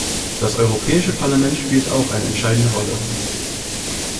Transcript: Das Europäische Parlament spielt auch eine entscheidende Rolle.